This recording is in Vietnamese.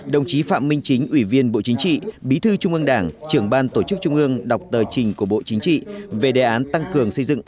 đồng chí phạm minh chính ủy viên bộ chính trị bí thư trung ương đảng trưởng ban tổ chức trung ương đọc tờ trình của bộ chính trị về đề án tăng cường xây dựng